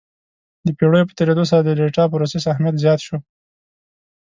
د پېړیو په تېرېدو سره د ډیټا پروسس اهمیت زیات شو.